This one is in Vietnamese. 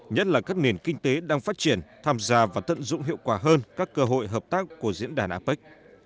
nhất là các nền kinh tế đang phát triển tham gia và tận dụng hiệu quả hơn các cơ hội hợp tác của diễn đàn apec